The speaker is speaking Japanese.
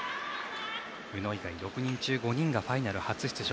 宇野以外６人中５人がファイナル初出場。